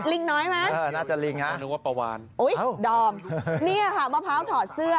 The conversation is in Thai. ลิงน้อยไหมเออน่าจะลิงฮะนึกว่าปลาวานอุ้ยดอมเนี่ยค่ะมะพร้าวถอดเสื้อ